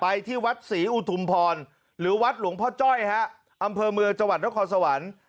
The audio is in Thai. ที่วัดศรีอุทุมพรหรือวัดหลวงพ่อจ้อยฮะอำเภอเมืองจังหวัดนครสวรรค์